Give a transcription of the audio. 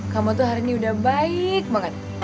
kamu tuh hari ini udah baik banget